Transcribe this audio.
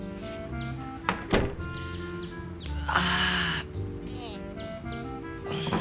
ああ。